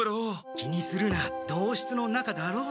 気にするな同室のなかだろう。